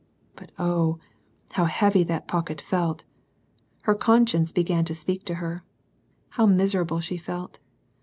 But oh, how heavy that pocket felt ! Her conscience began to speak to her ! How miserable she felt.